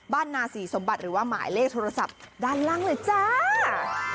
นาศรีสมบัติหรือว่าหมายเลขโทรศัพท์ด้านล่างเลยจ้า